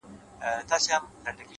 راسه د يو بل اوښکي وچي کړو نور ـ